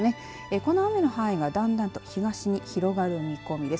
この雨の範囲がだんだんと東に広がる見込みです。